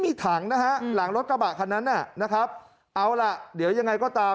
มีถังนะฮะหลังรถกระบะคันนั้นน่ะนะครับเอาล่ะเดี๋ยวยังไงก็ตาม